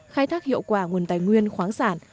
khai thác hiệu quả nguồn tài nguyên khoáng sản